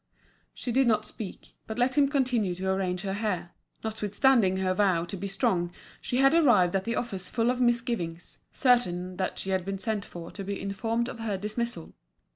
She did not speak, but let him continue to arrange her hair; notwithstanding her vow to be strong, she had arrived at the office full of misgivings, certain that she had been sent for to be informed of her dismissal.